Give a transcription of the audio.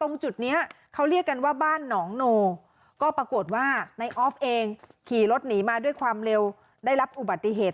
ตรงจุดนี้เขาเรียกกันว่าบ้านหนองโนก็ปรากฏว่าในออฟเองขี่รถหนีมาด้วยความเร็วได้รับอุบัติเหตุ